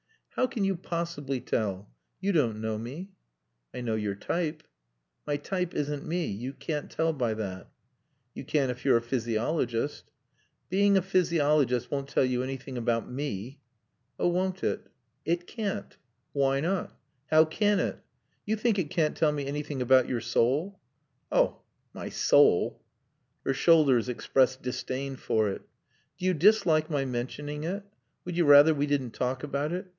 "How can you possibly tell? You don't know me." "I know your type." "My type isn't me. You can't tell by that." "You can if you're a physiologist." "Being a physiologist won't tell you anything about me." "Oh, won't it?" "It can't." "Why not?" "How can it?" "You think it can't tell me anything about your soul?" "Oh my soul " Her shoulders expressed disdain for it. "Do you dislike my mentioning it? Would you rather we didn't talk about it?